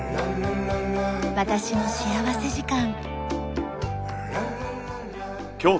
『私の幸福時間』。